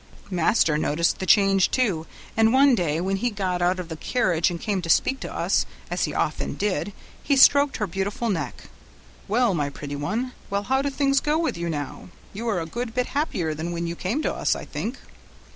Master noticed the change, too, and one day when he got out of the carriage and came to speak to us, as he often did, he stroked her beautiful neck. "Well, my pretty one, well, how do things go with you now? You are a good bit happier than when you came to us, I think."